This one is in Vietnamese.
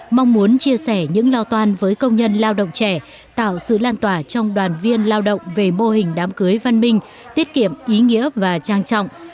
mong muốn chia sẻ những lo toan với công nhân lao động trẻ tạo sự lan tỏa trong đoàn viên lao động về mô hình đám cưới văn minh tiết kiệm ý nghĩa và trang trọng